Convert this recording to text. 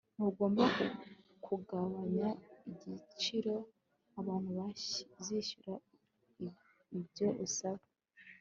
ntugomba kugabanya igiciro. abantu bazishyura ibyo usaba